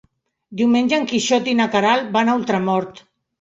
Diumenge en Quixot i na Queralt van a Ultramort.